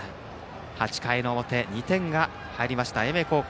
８回の表に２点が入りました、英明高校。